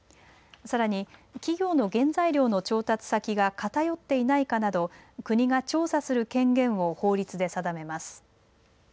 さらに企業の原材料の調達先が偏っていないかなど国が調査する権限を法律で定めます。